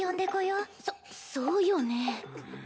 そそうよね。